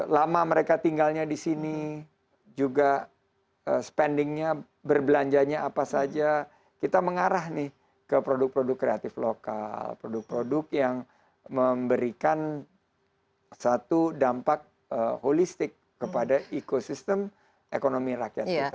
lama mereka tinggalnya di sini juga spendingnya berbelanjanya apa saja kita mengarah nih ke produk produk kreatif lokal produk produk yang memberikan satu dampak holistik kepada ekosistem ekonomi rakyat